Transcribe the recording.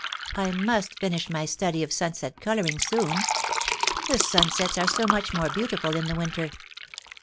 I must finish my study of sunset colouring soon ; the sunsets are so much more beautiful in the winter.